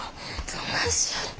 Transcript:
どないしよって。